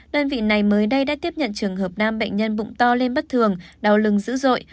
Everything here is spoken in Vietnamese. đơn vị này mới đây đã tiếp nhận trường hợp nam bệnh nhân bụng to lên bất thường đau lưng dữ dội